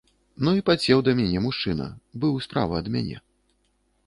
Ну і падсеў да мяне мужчына, быў справа ад мяне.